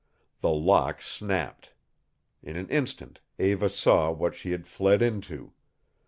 The lock snapped. In an instant Eva saw what she had fled into.